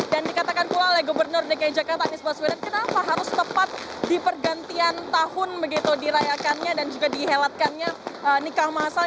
dan dikatakan pula oleh gubernur dki jakarta anies baswedet kenapa harus tepat di pergantian tahun begitu dirayakannya dan juga dihelatkannya nikah masal